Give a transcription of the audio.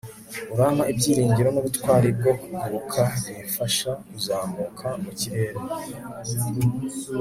urampa ibyiringiro nubutwari bwo kuguruka, bimfasha kuzamuka mukirere